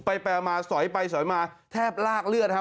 ไปมาสอยไปสอยมาแทบลากเลือดครับ